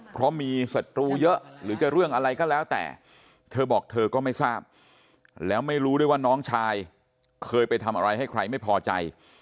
เพราะมีศัตรูเยอะหรือจะเรื่องอะไรก็แล้วแต่เธอบอกเธอก็ไม่ทราบแล้วไม่รู้ด้วยว่าน้องชายเคยไปทำอะไรให้ใครไม่พอใจ